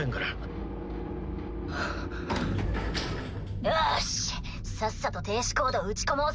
ガコンよしさっさと停止コード打ち込もうぜ。